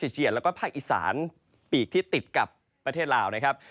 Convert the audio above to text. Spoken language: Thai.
เชียร์แล้วก็ภาคอีสานปีกที่ติดกับประเทศลาวนะครับ